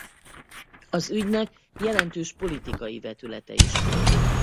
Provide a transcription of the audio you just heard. Az ügynek jelentős politikai vetülete is volt.